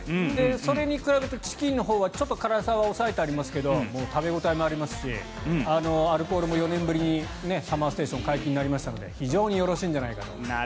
それに比べるとチキンのほうはちょっと辛さは抑えてありますが食べ応えありますしアルコールも４年ぶりにＳＵＭＭＥＲＳＴＡＴＩＯＮ解禁になりましたので非常によろしいんじゃないかと思っています。